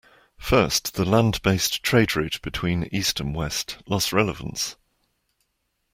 First, the land based trade route between east and west lost relevance.